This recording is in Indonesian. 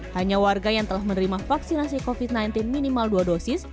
hanya warga yang telah menerima vaksinasi covid sembilan belas minimal dua dosis